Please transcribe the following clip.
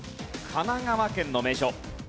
神奈川県の名所。